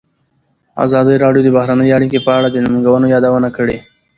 ازادي راډیو د بهرنۍ اړیکې په اړه د ننګونو یادونه کړې.